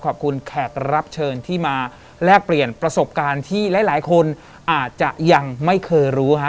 แขกรับเชิญที่มาแลกเปลี่ยนประสบการณ์ที่หลายคนอาจจะยังไม่เคยรู้ฮะ